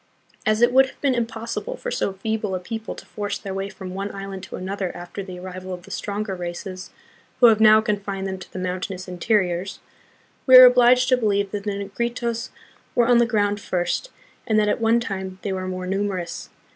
As it would have been impossible for so feeble a people to force their way from one island to another after the arrival of the stronger races, who have now confined them to the mountainous interiors, we are obliged to believe that the Negritos were on the ground first, and that at one time they were more numerous.